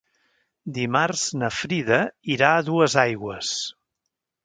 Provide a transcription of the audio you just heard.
Dimarts na Frida irà a Duesaigües.